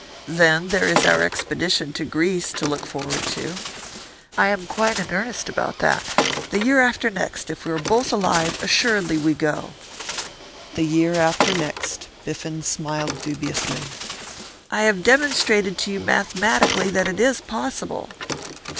Then there is our expedition to Greece to look forward to. I am quite in earnest about that. The year after next, if we are both alive, assuredly we go.' 'The year after next.' Biffen smiled dubiously. 'I have demonstrated to you mathematically that it is possible.